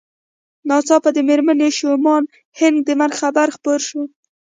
ناڅاپه د مېرمن شومان هينک د مرګ خبر خپور شو